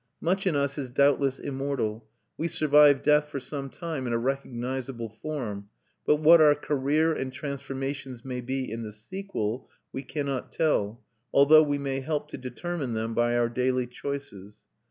Much in us is doubtless immortal; we survive death for some time in a recognisable form; but what our career and transformations may be in the sequel we cannot tell, although we may help to determine them by our daily choices.